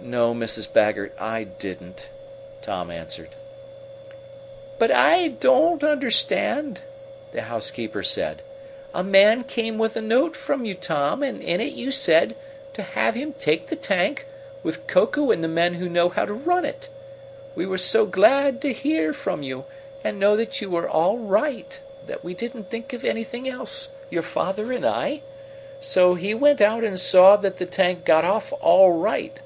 "No, Mrs. Baggert, I didn't," Tom answered. "But I don't understand," the housekeeper said. "A man came with a note from you, Tom, and in it you said to have him take the tank, with Koku and the men who know how to run it. We were so glad to hear from you, and know that you were all right, that we didn't think of anything else, your father and I. So he went out and saw that the tank got off all right.